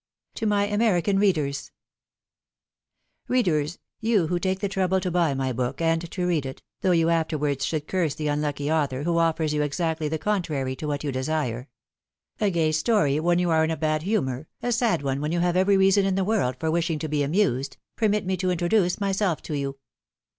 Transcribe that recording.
TO MY AMERICAN READER^ R eaders^ you who take the trouble to buy my book and to read it, though you after wards should curse the unlucky author, who offers you exactly the contrary to what you desire : a gay story when you are in a bad humor, a sad one when you have every reason in the world for wishing to be. amused ^— permit me to introduce myself to you.